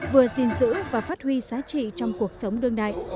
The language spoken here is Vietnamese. vừa gìn giữ và phát huy giá trị trong cuộc sống đương đại